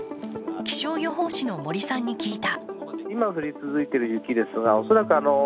気象予報士の森さんに聞いた。